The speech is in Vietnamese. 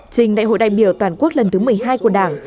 trình đại hội đại biểu toàn quốc lần thứ một mươi hai của đảng